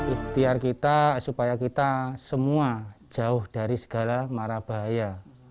ikhtiar kita supaya kita semua jauh dari segala mara bahaya